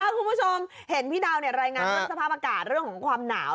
คุณผู้ชมเห็นพี่ดาวรายงานเรื่องสภาพอากาศเรื่องของความหนาว